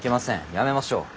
やめましょう。